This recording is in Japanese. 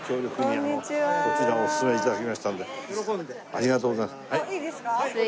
ありがとうございます。